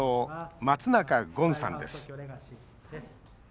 松中権さんです。